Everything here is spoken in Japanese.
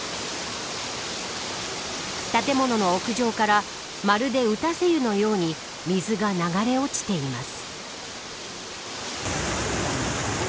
建物の屋上からまるで打たせ湯のように水が流れ落ちています。